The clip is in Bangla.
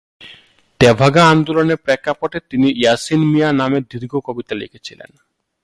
তেভাগা আন্দোলন এর প্রেক্ষাপটে তিনি "ইয়াসিন মিঞা" নামে দীর্ঘ কবিতা লিখেছিলেন।